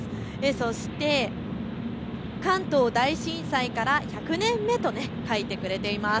そして関東大震災から１００年目と書いてくれています。